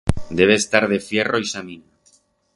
Debe estar de fierro ixa mina.